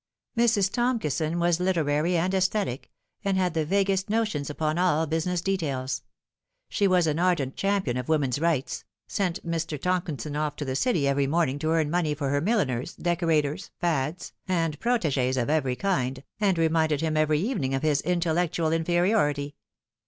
Mrs. Tomkison was literary and aesthetic, and had the vaguest notions upon all business details. She was an ardent champion of woman's rights, sent Mr. Tomkison off to the City every morning to earn money for her milliners, decorators, fads, and proteges of every kind, and reminded him every evening of his intellectual inferiority.